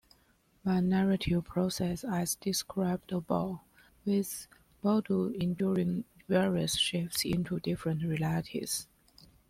One narrative proceeds as described above, with Bado enduring various shifts into different realities.